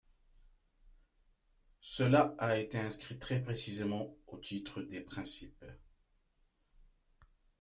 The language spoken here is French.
Cela a été inscrit très précisément au titre des principes.